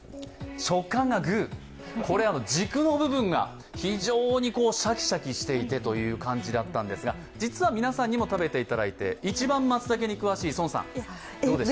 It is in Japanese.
軸の部分が非常にシャキシャキしていてという感じだったんですが、実は皆さんにも食べていただいて、一番松茸に詳しい宋さん、どうですか。